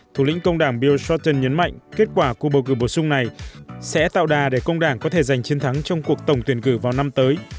thủ lĩnh công đảng newson nhấn mạnh kết quả cuộc bầu cử bổ sung này sẽ tạo đà để công đảng có thể giành chiến thắng trong cuộc tổng tuyển cử vào năm tới